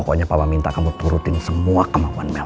pokoknya papa minta kamu turutin semua kemampuan mel